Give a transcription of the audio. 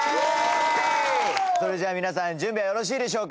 それじゃあ皆さん準備はよろしいでしょうか？